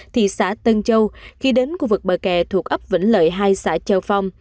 thị xã tân châu khi đến khu vực bờ kè thuộc ấp vĩnh lợi hai xã châu phong